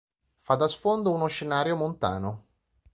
Fa da sfondo uno scenario montano.